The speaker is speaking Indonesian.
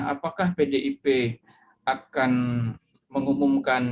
apakah pdip akan mengumumkan